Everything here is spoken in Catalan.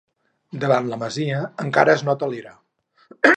Davant la masia encara es nota l'era.